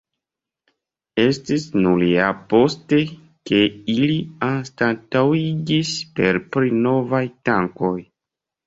Estis nur ja poste, ke ili anstataŭigis per pli novaj tankoj.